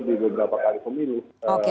di beberapa kali pemilih